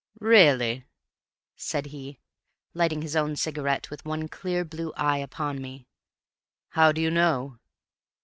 "Really?" said he, lighting his own cigarette with one clear blue eye upon me. "How do you know?"